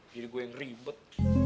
jadi gue yang ribet